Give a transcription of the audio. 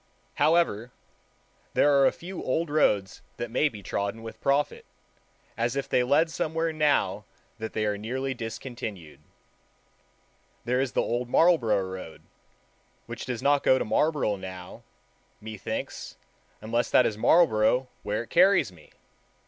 However, there are a few old roads that may be trodden with profit, as if they led somewhere now that they are nearly discontinued. There is the Old Marlborough Road, which does not go to Marlborough now, methinks, unless that is Marlborough where it carries me.